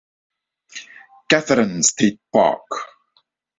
Catherine State Park.